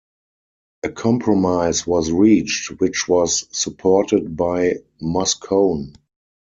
A compromise was reached which was supported by Moscone.